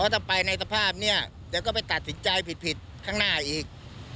เดี๋ยวก็ไปตัดสินใจผิดข้างหน้าอีก